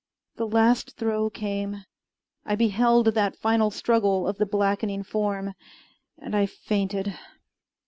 The last throe came. I beheld that final struggle of the blackening form and I fainted.